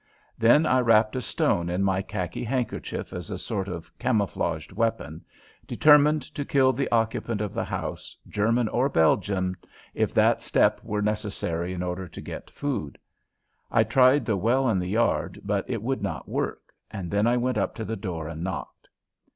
Then I wrapped a stone in my khaki handkerchief as a sort of camouflaged weapon, determined to kill the occupant of the house, German or Belgian, if that step were necessary in order to get food. I tried the well in the yard, but it would not work, and then I went up to the door and knocked.